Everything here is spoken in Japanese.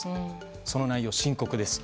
その内容は深刻です。